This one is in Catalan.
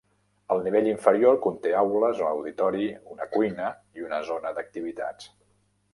El nivell inferior conté aules, un auditori, una cuina i una zona d'activitats.